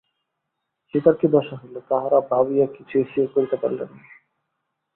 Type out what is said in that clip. সীতার কি দশা হইল, তাঁহারা ভাবিয়া কিছুই স্থির করিতে পারিলেন না।